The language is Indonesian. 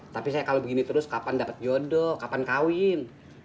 tapi saya kalau begini terus kapan dapat jodoh kapan kawin